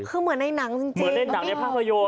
คือเหมือนในหนังจริงเหมือนในหนังในภาพยนตร์